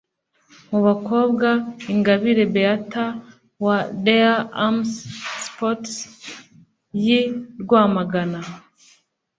Mu bakobwa Ingabire Beatha wa Les Amis Sportifs y’i Rwamagana